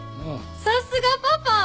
さすがパパ！